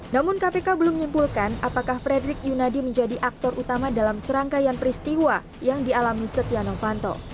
namun kpk belum menyimpulkan apakah frederick yunadi menjadi aktor utama dalam serangkaian peristiwa yang dialami setia novanto